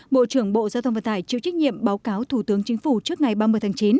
bộ trưởng bộ giao thông vận tải chịu trách nhiệm báo cáo thủ tướng chính phủ trước ngày ba mươi tháng chín